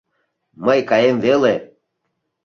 — Мый каем веле.